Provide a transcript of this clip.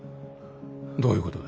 どういうことだ。